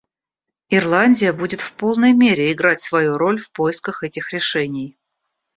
Ирландия будет в полной мере играть свою роль в поисках этих решений.